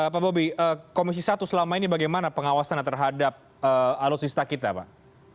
pak bobi komisi satu selama ini bagaimana pengawasannya terhadap alutsista kita pak